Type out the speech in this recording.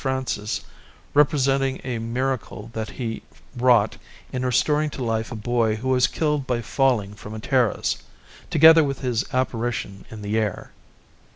Francis, representing a miracle that he wrought in restoring to life a boy who was killed by falling from a terrace, together with his apparition in the air.